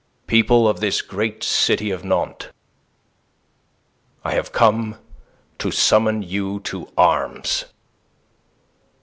"People of this great city of Nantes, I have come to summon you to arms!"